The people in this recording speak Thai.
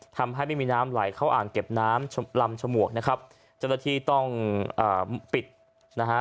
ทำให้ไม่มีน้ำไหลเข้าอ่างเก็บน้ำลำฉมวกนะครับเจ้าหน้าที่ต้องอ่าปิดนะฮะ